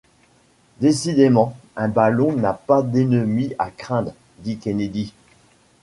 Décidément un ballon n’a pas d’ennemis à craindre, dit Kennedy.